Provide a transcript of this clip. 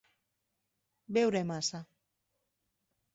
Beure massa.